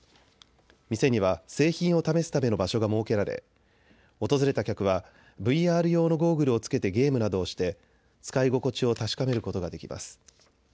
店には製品を試すための場所が設けられ訪れた客はＶＲ用のゴーグルを着けてゲームなどをして使い心地を確かめることができます。